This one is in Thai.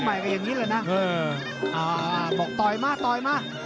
อย่างงี้แหละนะบอกต่อยมาต่อยมา